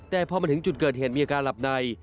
แต่พอมาถึงจุดเกิดเหตุมีอาการหลับใน